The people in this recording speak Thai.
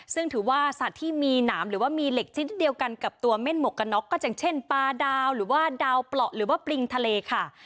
ซึ่งถือว่าสัตว์ที่มีหนามหรือว่ามีเหล็กชิ้นเดียวกันกับตัวเม่นหมวกกันน็อกก็อย่างเช่นปลาดาวหรือว่าดาวเปราะหรือว่าปริงทะเลค่ะ